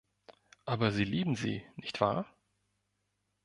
Aber Sie lieben sie, nicht wahr?